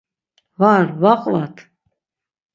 Var, va qvat!